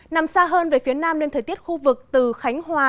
nằm xa hơn về phía nam nên thời tiết khu vực từ khánh hòa